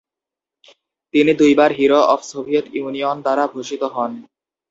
তিনি দুইবার Hero of Soviet Union দ্বারা ভূষিত হন।